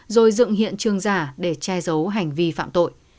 rồi dựng hiện trường giả để che giấu hành vi phạm tội